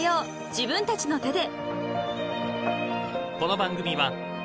自分たちの手で］